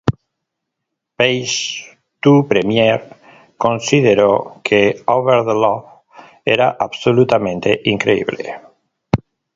Page to Premiere consideró que "Over the Love" era "absolutamente increíble".